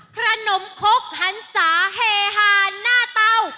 ขนมคกหันศาเฮฮาหน้าเตา